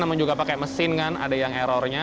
namun juga pakai mesin kan ada yang errornya